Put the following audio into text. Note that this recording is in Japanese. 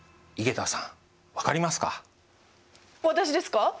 私ですか？